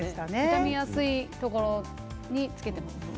傷みやすいところにつけています。